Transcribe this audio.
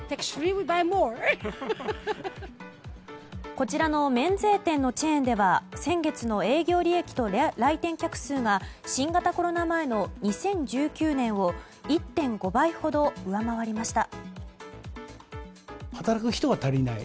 こちらの免税店のチェーンでは先月の営業利益と来店客数が新型コロナ前の２０１９年を１．５倍ほど上回りました。